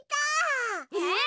えっ？